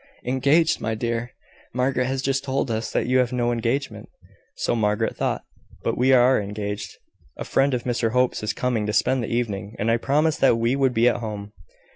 "Engaged, my dear! Margaret has just told us that you have no engagement." "So Margaret thought: but we are engaged. A friend of Mr Hope's is coming to spend the evening, and I promised that we would be at home."